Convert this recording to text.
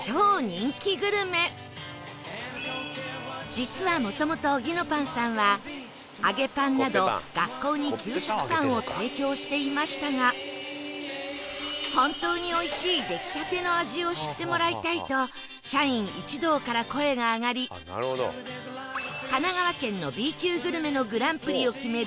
実は元々オギノパンさんは揚げパンなど学校に給食パンを提供していましたが本当に美味しい出来たての味を知ってもらいたいと社員一同から声が上がり神奈川県の Ｂ 級グルメのグランプリを決める